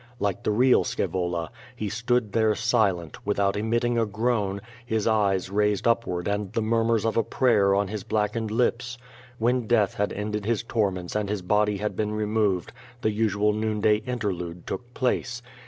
' Like the real Scaevola, he stood there silent, without emitting a groan, his eyes raised up ward and the murmurs of a prayer on his blackened lii)s. When death had ended his torments and his body had been removed, the usual noonday interlude took place.